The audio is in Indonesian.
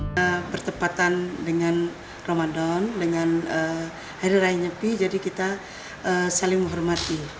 kita bertepatan dengan ramadan dengan hari raya nyepi jadi kita saling menghormati